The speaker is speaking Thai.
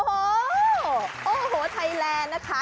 โอ้โหโอ้โหไทยแลนด์นะคะ